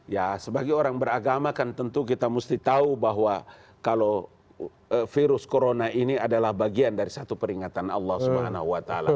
ya sebagai orang beragama kan tentu kita mesti tahu bahwa kalau virus corona ini adalah bagian dari satu peringatan allah swt